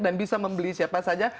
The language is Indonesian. dan bisa membeli siapa saja